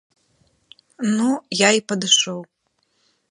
Ну, я і падышоў.